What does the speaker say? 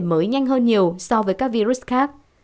mới nhanh hơn nhiều so với các virus khác